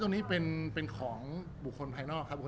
รูปนั้นผมก็เป็นคนถ่ายเองเคลียร์กับเรา